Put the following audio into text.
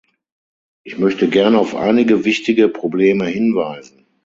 Ich möchte gern auf einige wichtige Probleme hinweisen.